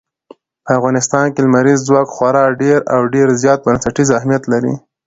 په افغانستان کې لمریز ځواک خورا ډېر او ډېر زیات بنسټیز اهمیت لري.